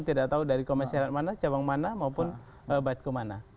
tidak tahu dari komersial mana cabang mana maupun batku mana